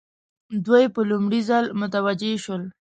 دوی په لومړي ځل متوجه شول.